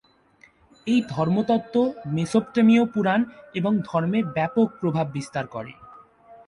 এই ধর্মতত্ত্ব মেসোপটেমীয় পুরাণ এবং ধর্মে ব্যাপক প্রভাব বিস্তার করে।